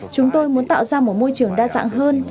chúng tôi muốn tạo ra một môi trường đa dạng hơn